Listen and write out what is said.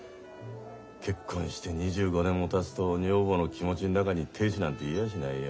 結婚して２５年もたつと女房の気持ちの中に亭主なんていやしないよ。